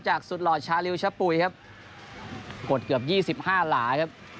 จากสุดหลอดชาลิวชะปุ๋ยครับกดเกือบยี่สิบห้าหลาครับ